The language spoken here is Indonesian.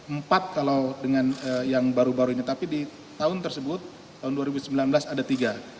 empat kalau dengan yang baru baru ini tapi di tahun tersebut tahun dua ribu sembilan belas ada tiga